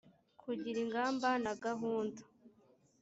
kugira ingamba na gahunda